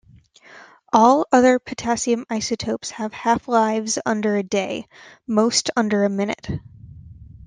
All other potassium isotopes have half-lives under a day, most under a minute.